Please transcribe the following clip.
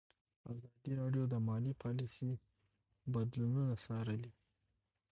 ازادي راډیو د مالي پالیسي بدلونونه څارلي.